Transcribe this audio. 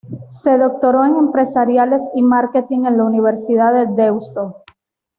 Se doctoró en empresariales y marketing en la Universidad de Deusto.